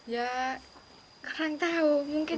ya kurang tahu